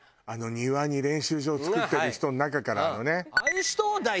庭に練習場を作ってる人の中からね。